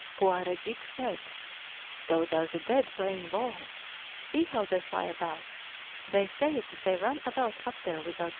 Puarajik said: ' Those are the dead play ing hall. See how they fly about I They say that they run about up there without clothing on.'